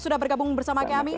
sudah bergabung bersama kami